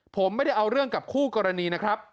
ผมไม่ได้เอาเรื่องกับคู่กรณีนะครับ